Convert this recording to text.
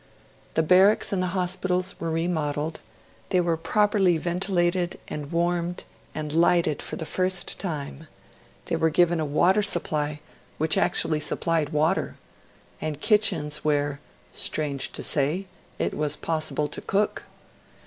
The barracks and the hospitals were remodelled; they were properly ventilated and warmed and lighted for the first time; they were given a water supply which actually supplied water, and kitchens where, strange to say, it was possible to cook.